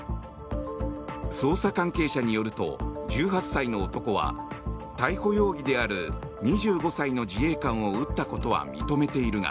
捜査関係者によると１８歳の男は逮捕容疑である２５歳の自衛官を撃ったことは認めているが